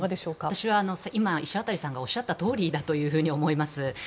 私は今、石渡さんがおっしゃったとおりだと思います。